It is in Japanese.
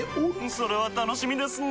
それは楽しみですなぁ。